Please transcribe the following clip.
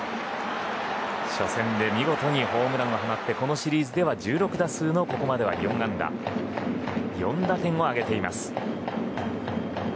初戦で見事にホームランを放ってこのシリーズでは１６打数のここまでは４安打４打点を挙げています。